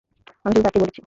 আমি শুধু তাকেই বলেছি।